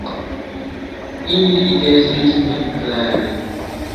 Ili estris min klare.